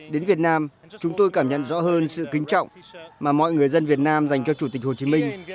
đến việt nam chúng tôi cảm nhận rõ hơn sự kính trọng mà mọi người dân việt nam dành cho chủ tịch hồ chí minh